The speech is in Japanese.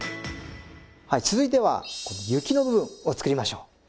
続いては雪の部分を作りましょう。